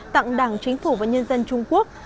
tặng đảng chính phủ và nhân dân trung quốc